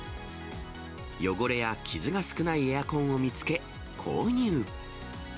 汚れや傷が少ないエアコンを見つけ購入。